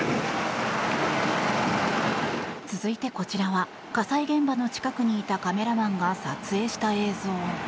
続いてこちらは火災現場の近くにいたカメラマンが撮影した映像。